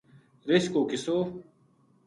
رچھ کو قصو